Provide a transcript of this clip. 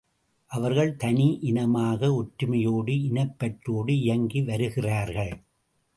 அவர்கள் தனி இனமாக ஒற்றுமையோடு இனப் பற்றோடு இயங்கி வருகிறார்கள்.